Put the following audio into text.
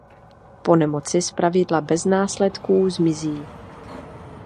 Po nemoci zpravidla bez následků zmizí.